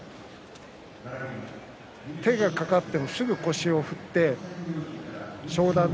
手が掛かってもすぐ腰を振って湘南乃